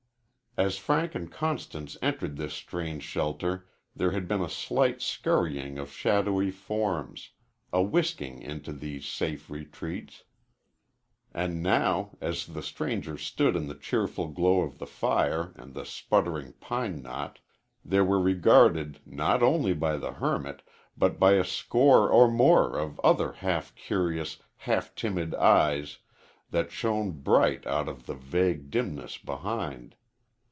As Frank and Constance entered this strange shelter there had been a light scurrying of shadowy forms, a whisking into these safe retreats, and now, as the strangers stood in the cheerful glow of the fire and the sputtering pine knot, they were regarded not only by the hermit, but by a score or more of other half curious, half timid eyes that shone bright out of the vague dimness behind.